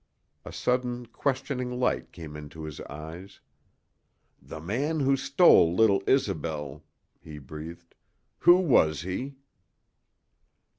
A sudden questioning light came into his eyes. "The man who stole little Isobel," he breathed "who was he?"